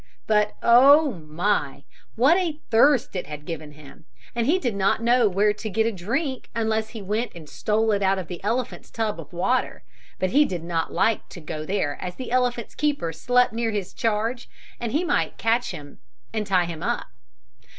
But, oh my! what a thirst it had given him, and he did not know where to get a drink unless he went and stole it out of the elephant's tub of water, but he did not like to go there as the elephant's keeper slept near his charge and he might catch him and tie him up.